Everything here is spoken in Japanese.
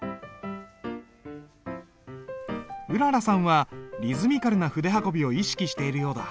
うららさんはリズミカルな筆運びを意識しているようだ。